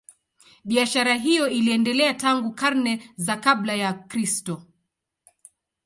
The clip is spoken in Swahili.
Biashara hiyo iliendelea tangu karne za kabla ya Kristo.